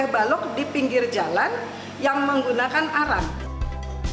balok di pinggir jalan yang menggunakan arang